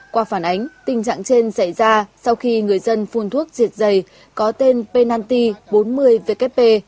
qua phản ánh tình trạng trên xảy ra sau khi người dân phun thuốc diệt giày có tên pennti bốn mươi vkp